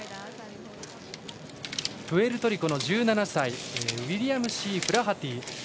プエルトリコの１７歳ウィリアムシー・フラハティ。